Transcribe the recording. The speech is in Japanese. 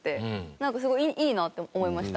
なんかすごいいいなって思いました。